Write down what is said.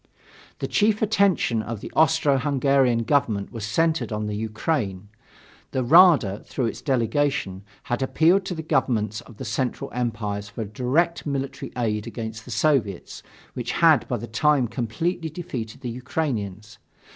The chief attention of the Austro Hungarian government was centered on the Ukraine. The Rada, through its delegation, had appealed to the governments of the Central Empires for direct military aid against the Soviets, which had by that time completely defeated the Ukrainians.